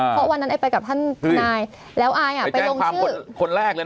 เพราะวันนั้นไอ้ไปกับท่านทุกนายแล้วไอ้ไปตกต่อตกหล่น